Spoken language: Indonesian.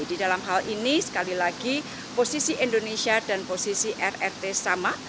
di dalam hal ini sekali lagi posisi indonesia dan posisi rrt sama